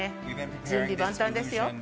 準備万端ですよ。